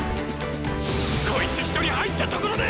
こいつ一人入ったところで！